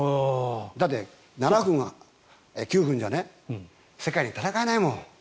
だって７分、９分じゃ世界で戦えないもん。